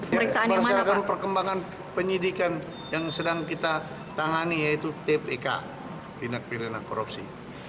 berdasarkan perkembangan penyidikan yang sedang kita tangani yaitu tpk tindak pidana korupsi